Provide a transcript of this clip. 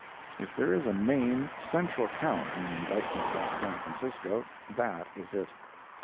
If there is a main, central count in the indictment against San Francisco that is it.